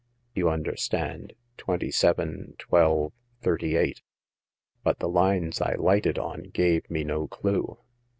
You understand — twenty seven, twelve, thirty eight ; but the lines I lighted on gave me no clue."